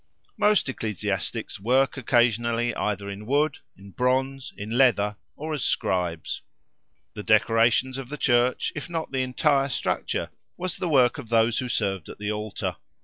Most ecclesiastics work occasionally either in wood, in bronze, in leather, or as scribes. The decorations of the Church, if not the entire structure, was the work of those who served at the altar.